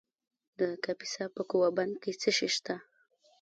د کاپیسا په کوه بند کې څه شی شته؟